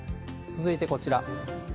続いてこちら。